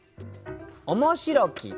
「おもしろき」。